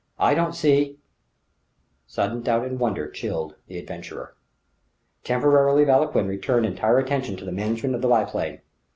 I don't see ..." Suddenly doubt and wonder chilled the adventurer. Temporarily Vauquelin returned entire attention to the management of the biplane.